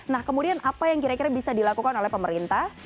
nah kemudian apa yang kira kira bisa dilakukan oleh pemerintah